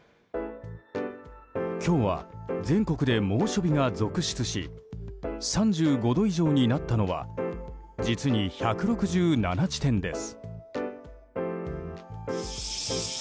今日は全国で猛暑日が続出し３５度以上になったのは実に１６７地点です。